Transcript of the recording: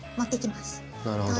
なるほど。